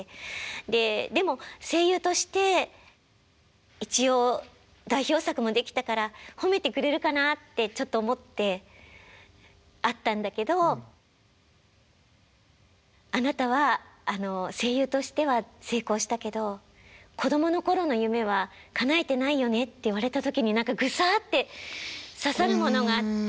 ででも声優として一応代表作もできたから褒めてくれるかなってちょっと思って会ったんだけど「あなたは声優としては成功したけど子供の頃の夢はかなえてないよね」って言われた時に何かグサッて刺さるものがあって。